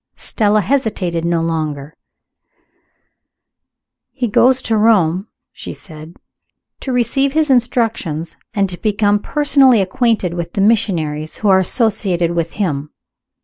Stella hesitated no longer. "He goes to Rome," she said "to receive his instructions, and to become personally acquainted with the missionaries who are associated with him.